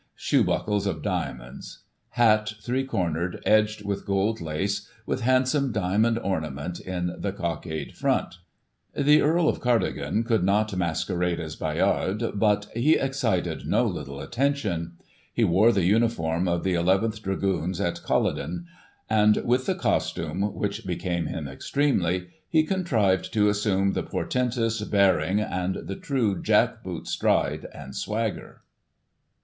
Shoe buckles of diamonds. Hat, three cornered, edged with gold lace, with handsome diamond ornament in the cockade in front. The Earl of Cardigan could not masquerade as Bayard, but " he excited no little attention. He wore the uniform of the nth Dragoons at CuUoden ; and, with the costume, which became him extremely, he contrived to assume the portentous bearing, and the true jack boot stride and swagger."